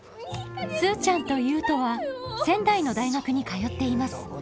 スーちゃんと悠人は仙台の大学に通っています。